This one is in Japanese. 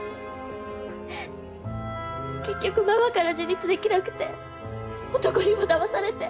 結局ママから自立できなくて男にもだまされて。